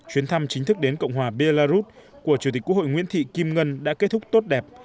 chuyến thăm chính thức đến cộng hòa belarus của chủ tịch quốc hội nguyễn thị kim ngân đã kết thúc tốt đẹp